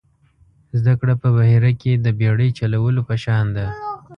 زده کړه په بحیره کې د بېړۍ چلولو په شان ده.